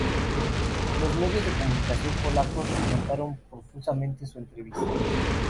Los medios de comunicación polacos comentaron profusamente su entrevista.